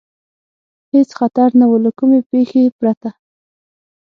هېڅ خطر نه و، له کومې پېښې پرته.